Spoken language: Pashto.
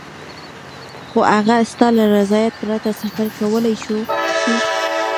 خو هغه ستا له رضایت پرته سفر کولای شي.